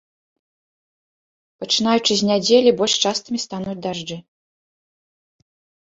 Пачынаючы з нядзелі больш частымі стануць дажджы.